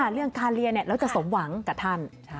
เรื่องการเรียนเราจะสมหวังกับท่าน